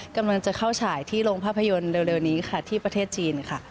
กำลังจะเข้าฉายที่โรงภาพยนตร์เร็วนี้ค่ะที่ประเทศจีนค่ะ